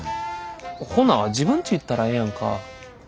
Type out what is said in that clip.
ほな自分んち行ったらええやんか？